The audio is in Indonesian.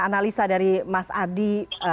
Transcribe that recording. analisa dari mas adi